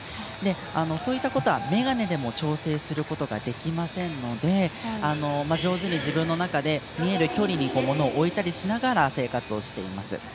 そういったことは眼鏡でも調整することができませんので上手に自分の中で見える距離に物を置いたりしながら生活をしています。